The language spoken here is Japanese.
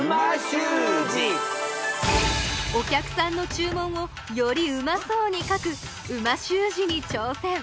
お客さんの注文をよりうまそうに書く美味しゅう字に挑戦！